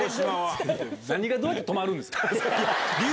どうやって止まるんすか？